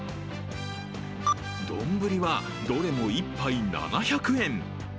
どんぶりは、どれも１杯７００円。